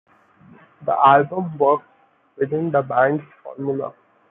The album works within the band's formula.